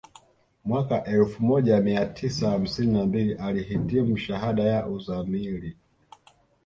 Mwaka elfu moja mia tisa hamsini na mbili alihitimu shahada ya uzamili